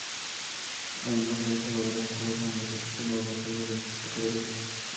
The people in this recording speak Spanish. Además varias jugadoras estuvieron en la "Selección Bogotá" en diferentes categorías.